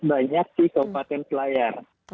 banyak di kabupaten pelayar